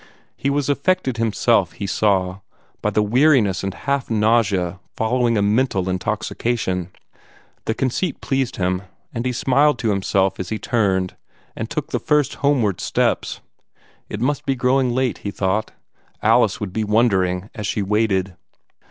He was affected himself, he saw, by the weariness and half nausea following a mental intoxication. The conceit pleased him, and he smiled to himself as he turned and took the first homeward steps. It must be growing late, he thought. Alice would be wondering as she waited.